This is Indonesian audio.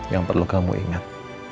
yang perlu kamu ingat